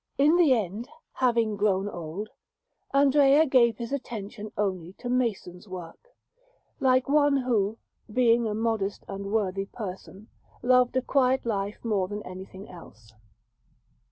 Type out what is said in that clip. In the end, having grown old, Andrea gave his attention only to mason's work, like one who, being a modest and worthy person, loved a quiet life more than anything else.